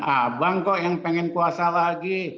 abang kok yang pengen kuasa lagi